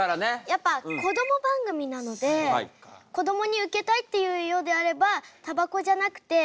やっぱこども番組なのでこどもにウケたいっていうようであればタバコじゃなくてバナナとか。